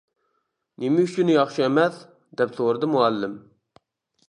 -نېمە ئۈچۈن ياخشى ئەمەس؟ -دەپ سورىدى مۇئەللىم.